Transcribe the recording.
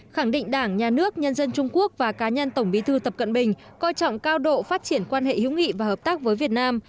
khẳng định đảng nhà nước nhân dân trung quốc và cá nhân tổng bí thư tập cận bình coi trọng cao độ phát triển quan hệ hữu nghị và hợp tác với việt nam